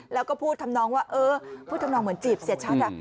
แล้วก็พูดทำนองว่าเออพูดทำนองเหมือนจีบเสียชัด